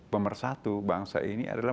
pemersatu bangsa ini adalah